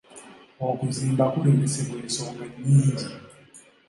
Okuzimba kulemesebwa ensonga nnyingi.